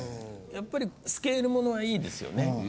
やっぱりスケールものはいいですよね。